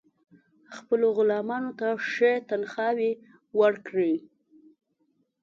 خپلو غلامانو ته ښې تنخواوې ورکړي.